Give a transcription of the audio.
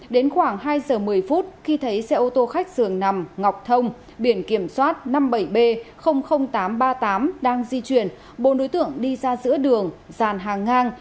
đến khoảng hai giờ một mươi phút khi thấy xe ô tô khách dường nằm ngọc thông biển kiểm soát năm mươi bảy b tám trăm ba mươi tám đang di chuyển bốn đối tượng đi ra giữa đường dàn hàng ngang